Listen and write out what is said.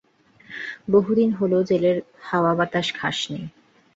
বহুদিন হলো জেলের হাওয়া-বাতাস খাসনি।